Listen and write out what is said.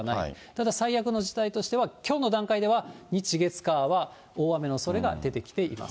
ただ最悪の事態としては、きょうの段階では、日、月、火は大雨のおそれが出てきています。